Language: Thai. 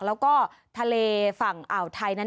แล้วก็ทะเลฝั่งอ่าวไทยนั้น